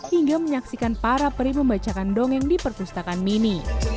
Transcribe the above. hingga menyaksikan para peri membacakan dongeng di perpustakaan mini